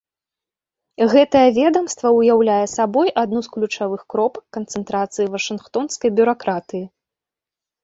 Гэтае ведамства ўяўляе сабой адну з ключавых кропак канцэнтрацыі вашынгтонскай бюракратыі.